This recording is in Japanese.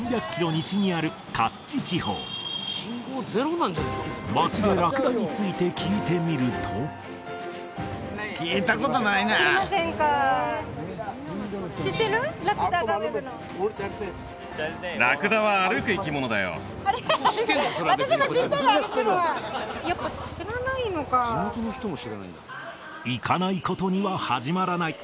西にあるカッチ地方街でラクダについて聞いてみると知りませんか行かないことには始まらない